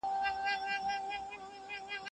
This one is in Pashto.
کله د وخت اړتیا لیکنه زېږوي.